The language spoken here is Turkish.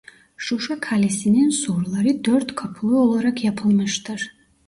Şuşa Kalesi'nin surları dört kapılı olarak yapılmıştır.